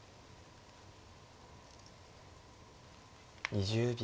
２０秒。